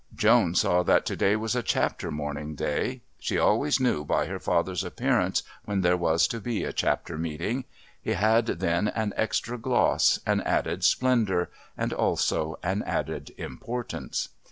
Joan saw that to day was a "Chapter morning" day. She always knew by her father's appearance when there was to be a Chapter Meeting. He had then an extra gloss, an added splendour, and also an added importance.